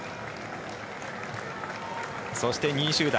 そして２位集団。